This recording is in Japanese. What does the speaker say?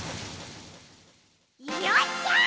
よっしゃ！